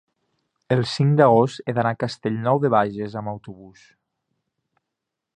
el cinc d'agost he d'anar a Castellnou de Bages amb autobús.